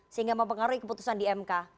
sehingga mempengaruhi keputusan di mk